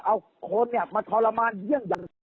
เอาคนมาทรมานเยี่ยมอย่าง